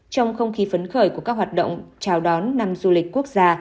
trong không khí phấn khởi của các hoạt động chào đón năm du lịch quốc gia